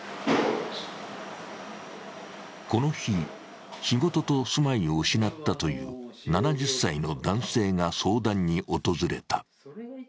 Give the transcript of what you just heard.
この日、仕事と住まいを失ったという７０歳の男性が相談に訪れた。